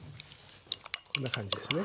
こんな感じですね。